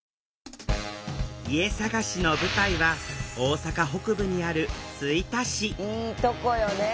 家探しの舞台は大阪北部にある吹田市いいとこよね。